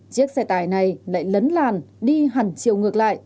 chiếc xe tải này lại lấn làn đi hẳn chiều ngược lại